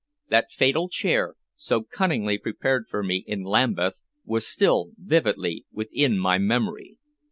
That fatal chair so cunningly prepared for me in Lambeth was still vividly within my memory.